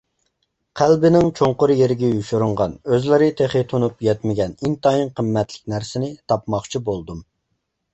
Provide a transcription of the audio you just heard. قەلبىنىڭ چوڭقۇر يېرىگە يوشۇرۇنغان، ئۆزلىرى تېخى تونۇپ يەتمىگەن ئىنتايىن قىممەتلىك نەرسىنى تاپماقچى بولدۇم.